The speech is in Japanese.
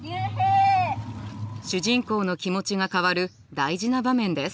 主人公の気持ちが変わる大事な場面です。